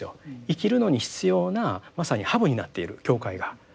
生きるのに必要なまさにハブになっている教会が。